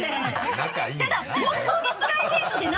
仲いいな。